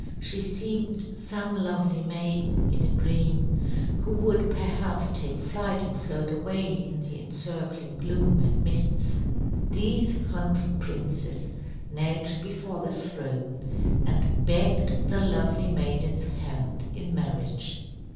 She seemed some lovely maiden in a dream, who would perhaps take flight and float away in the encircling gloom and mists. These hundred princes knelt before the throne and begged the lovely maiden's hand in marriage.